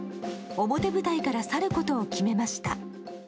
表舞台から去ることを決めました。